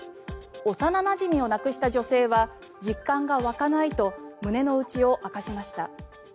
幼なじみを亡くした女性は実感が湧かないと胸の内を明かしました。